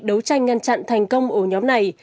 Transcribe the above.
đấu tranh ngăn chặn thành công ổ nhóm này